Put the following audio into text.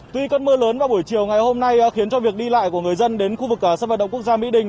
tuy cơn mưa lớn vào buổi chiều ngày hôm nay khiến cho việc đi lại của người dân đến khu vực sân vận động quốc gia mỹ đình